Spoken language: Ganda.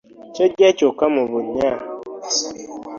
Kyeggya kyokka mu bunnya .